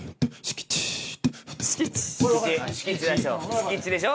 敷地でしょ